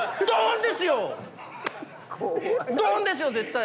ドーン！ですよ絶対。